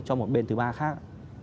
cho một bên thứ ba khác